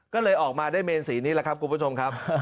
ก็เลยออกมาได้เมนสีนี้แหละครับคุณผู้ชมครับ